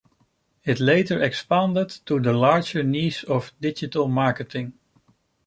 It later expanded to the larger niche of digital marketing.